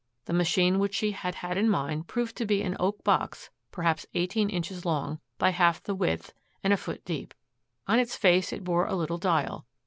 The machine which she had had in mind proved to be an oak box, perhaps eighteen inches long, by half the width, and a foot deep. On its face it bore a little dial.